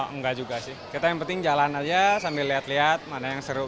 enggak juga sih kita yang penting jalan aja sambil lihat lihat mana yang seru